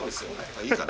いいかな。